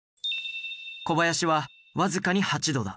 小林は僅かに８度だ。